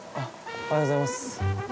おはようございます。